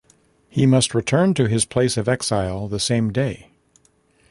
He must return to his place of exile the same day.